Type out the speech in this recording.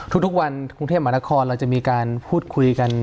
ทุกวันกรุงเทพมหานครเราจะมีการพูดคุยกัน